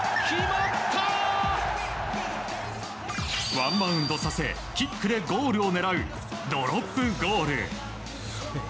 ワンバウンドさせキックでゴールを狙うドロップゴール。